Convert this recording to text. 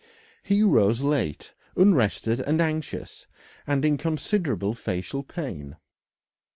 He rose late, unrested and anxious, and in considerable facial pain.